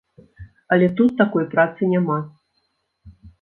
Але тут такой працы няма.